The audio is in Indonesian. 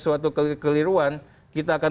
suatu keliruan kita akan